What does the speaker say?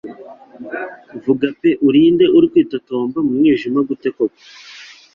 Vuga pe uri nde uri kwitotomba mu mwijima gute koko